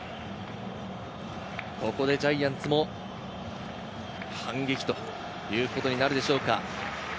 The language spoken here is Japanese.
ここでジャイアンツも反撃ということになるでしょうか。